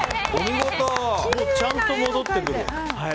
ちゃんと戻ってくる。